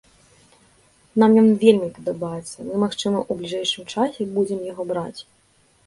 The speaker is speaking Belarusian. Нам ён вельмі падабаецца, мы магчыма ў бліжэйшым часе будзе яго браць.